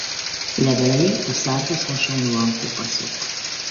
Levelei a szárhoz hasonlóan kopaszok.